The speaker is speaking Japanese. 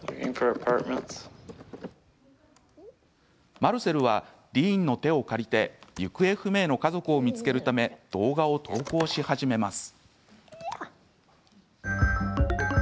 マルセルはディーンの手を借りて行方不明の家族を見つけるため動画を投稿し始めます。